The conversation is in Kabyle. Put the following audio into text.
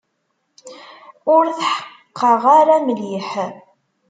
Ur tḥeqqeɣ ara mliḥ.